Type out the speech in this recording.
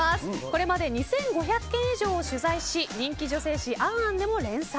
これまで２５００軒以上を取材し人気女性誌「ａｎ・ａｎ」でも連載。